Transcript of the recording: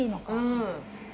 うん。